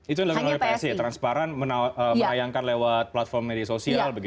itu dilakukan oleh psd ya transparan mengayangkan lewat platform media sosial begitu